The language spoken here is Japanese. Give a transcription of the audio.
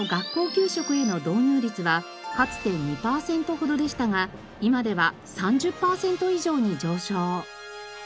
給食への導入率はかつて２パーセントほどでしたが今では３０パーセント以上に上昇。